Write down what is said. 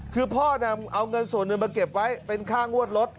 คือพ่อนำเอาเงินส่วนหนึ่งมาเก็บไว้เป็นค่างวดรถ